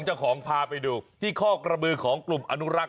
เจ้าของพาไปดูที่ข้อกระบือของกลุ่มอนุรักษ